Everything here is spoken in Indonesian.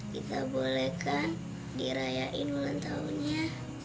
gita boleh kan dirayain ulang tahunnya